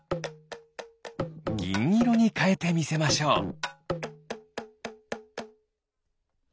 ぎんいろにかえてみせましょう！